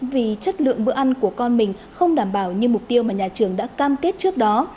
vì chất lượng bữa ăn của con mình không đảm bảo như mục tiêu mà nhà trường đã cam kết trước đó